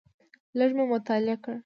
لږ مې مطالعه کړ.